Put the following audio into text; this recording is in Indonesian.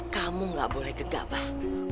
kamu nggak boleh gegak pak